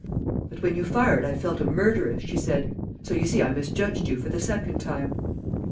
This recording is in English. "But when you fired I felt a murderess," she said. "So you see I misjudged you for the second time."